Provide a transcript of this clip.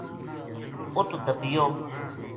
اُت دبیو